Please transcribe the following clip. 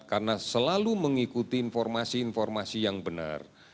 karena selalu mengikuti informasi informasi yang benar